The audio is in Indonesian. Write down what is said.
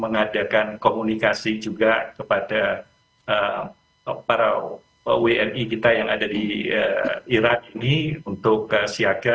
mengadakan komunikasi juga kepada para wni kita yang ada di iran ini untuk siaga